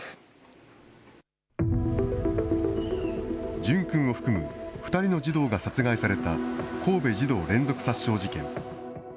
淳君を含む２人の児童が殺害された、神戸児童連続殺傷事件。